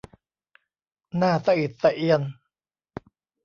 น่าสะอิดสะเอียน